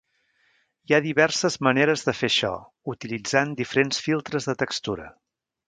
Hi ha diverses maneres de fer això, utilitzant diferents filtres de textura.